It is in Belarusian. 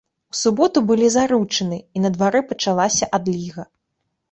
У суботу былі заручыны, і на дварэ пачалася адліга.